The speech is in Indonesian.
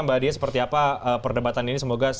mbak dia seperti apa perdebatan ini semoga